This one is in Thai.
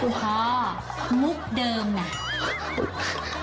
อุฮ่ากุ๊กเดิมนะ